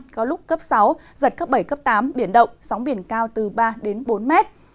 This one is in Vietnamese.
có lúc cấp sáu giật cấp bảy cấp tám biển động sóng biển cao từ ba đến bốn mét